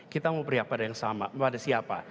kita mau beri apa pada siapa